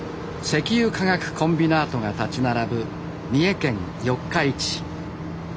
石油化学コンビナートが立ち並ぶ三重県四日市市。